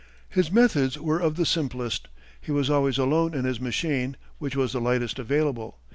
His methods were of the simplest. He was always alone in his machine, which was the lightest available.